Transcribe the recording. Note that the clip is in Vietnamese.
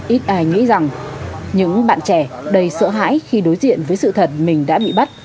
ít ai nghĩ rằng những bạn trẻ đầy sợ hãi khi đối diện với sự thật mình đã bị bắt